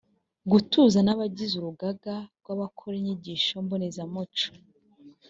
gutuza n’abagize urugaga rw’abakora inyigisho mbonezamuco